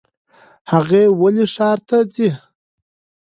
هغه ولې ښار ته ځي ؟